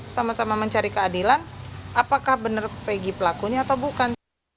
sama sama mencari keadilan apakah benar pegi pelakunya atau bukan